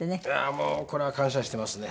もうこれは感謝してますね。